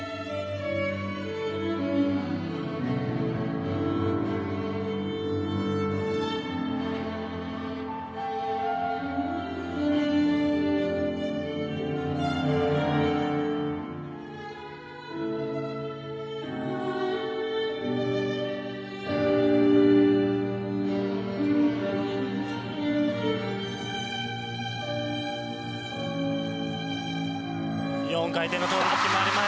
４回転のトウループ決まりました。